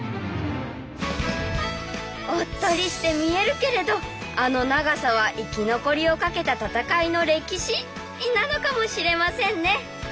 おっとりして見えるけれどあの長さは生き残りを懸けた戦いの歴史なのかもしれませんね。